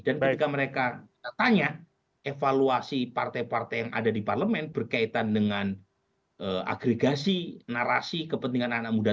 dan mereka tanya evaluasi partai partai yang ada di parlemen berkaitan dengan agregasi narasi kepentingan anak muda